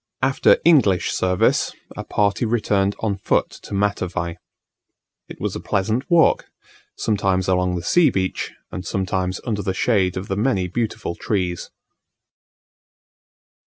After English service, a party returned on foot to Matavai. It was a pleasant walk, sometimes along the sea beach and sometimes under the shade of the many beautiful trees.